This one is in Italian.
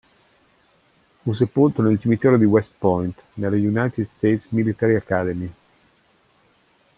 Fu sepolto nel cimitero di West Point, nella United States Military Academy.